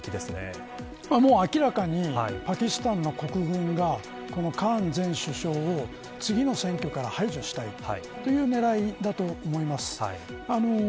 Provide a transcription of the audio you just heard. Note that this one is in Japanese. もう明らかにパキスタンの国軍がカーン前首相を次の選挙から排除したいというねらいだと思います。